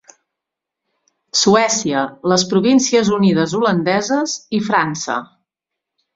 Suècia, les Províncies Unides Holandeses i França.